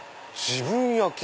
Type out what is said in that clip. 自分焼き？